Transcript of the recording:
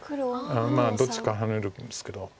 どっちかハネるんですけど。